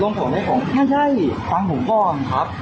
ลองสอนได้ของไม่ใช่ฟังผมก้อนครับ